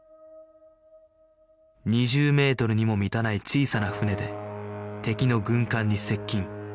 ２０メートルにも満たない小さな船で敵の軍艦に接近